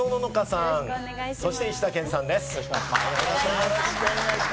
よろしくお願いします。